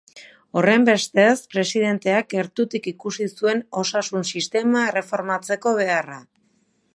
Horrenbestez, presidenteak gertutik ikusi zuen osasun sistema erreformatzeko beharra.